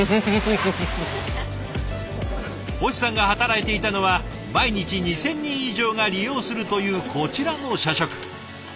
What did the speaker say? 星さんが働いていたのは毎日２，０００人以上が利用するというこちらの社食。